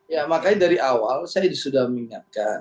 ya makanya dari awal saya sudah mengingatkan